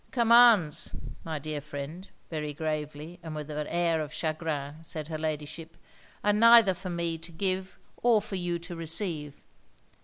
'Commands, my dear friend,' very gravely, and with an air of chagrin, said her Ladyship, 'are neither for me to give or for you to receive.